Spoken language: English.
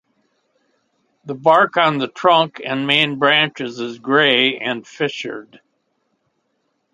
The bark on the trunk and main branches is grey and fissured.